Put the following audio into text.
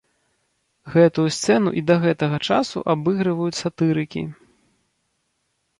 Гэтую сцэну і да гэтага часу абыгрываюць сатырыкі.